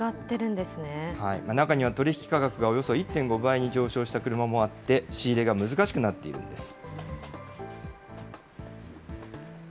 中には取り引き価格がおよそ１．５倍に上昇した車もあって、仕入れが難しくなっています。